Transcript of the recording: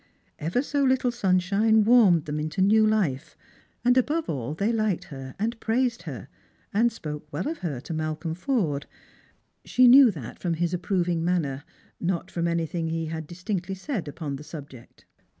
Ever so little sunshine warmed them into new life; and, above all, they liked her, and praised her, and spoke well of her to Malcolm Forde. She knew that from his appi oving manner, not from anything he had dis tinctly said upon the subject.